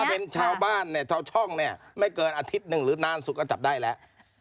ถ้าเป็นชาวบ้านเนี่ยชาวช่องเนี่ยไม่เกินอาทิตย์หนึ่งหรือนานสุดก็จับได้แล้ว